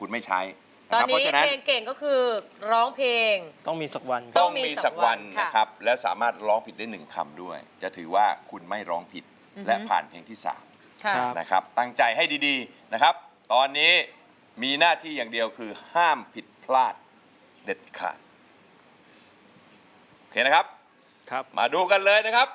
แม้ทุกอย่างยังดูดมนต์